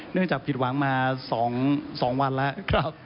เนื่องจากผิดหวังมา๒วันครับ